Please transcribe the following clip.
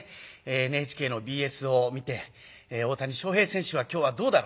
ＮＨＫのＢＳを見て大谷翔平選手は今日はどうだろう。